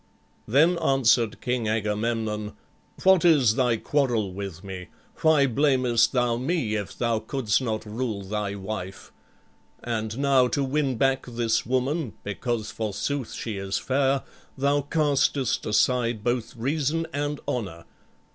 Then answered King Agamemnon: "What is thy quarrel with me? Why blamest thou me if thou couldst not rule thy wife? And now to win back this woman, because forsooth she is fair, thou castest aside both reason and honor.